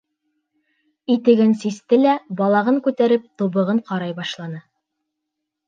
Итеген систе лә, балағын күтәреп, тубығын ҡарай башланы.